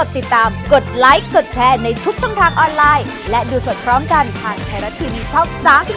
ติดตามกดไลค์กดแชร์ในทุกช่องทางออนไลน์และดูสดพร้อมกันทางไทยรัฐทีวีช่อง๓๒